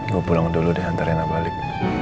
gue pulang dulu deh antarin aku balik